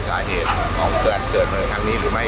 เพราะว่าเมืองนี้จะเป็นที่สุดท้าย